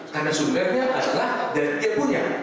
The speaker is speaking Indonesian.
karena sumbernya adalah dari dia punya